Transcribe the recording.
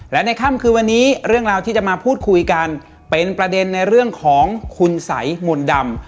และในค่ำคืนวันนี้เรื่องราวที่จะมาพูดคุยกันเป็นประเด็นในเรื่องของคุณสัยมนต์ดำ